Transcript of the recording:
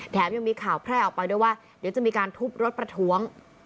ยังมีข่าวแพร่ออกไปด้วยว่าเดี๋ยวจะมีการทุบรถประท้วง